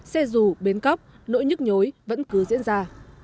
xe dù bến cóc nỗi nhức nhối vẫn cứ diễn ra